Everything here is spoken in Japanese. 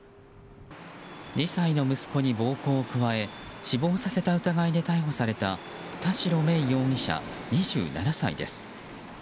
２歳の息子に暴行を加え死亡させた疑いで逮捕された田代芽衣容疑者、２７歳です。